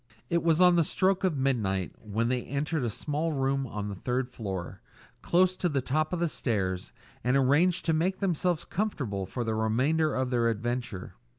It was on the stroke of midnight when they entered a small room on the third floor, close to the top of the stairs, and arranged to make themselves comfortable for the remainder of their adventure.